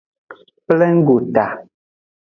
Plengota.